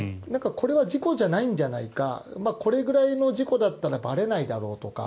これは事故じゃないんじゃないかこれぐらいの事故だったらばれないだろうとか